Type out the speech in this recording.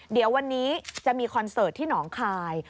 เดี๋ยววันนี้จะมีคอนเสิร์ตที่หนองคาย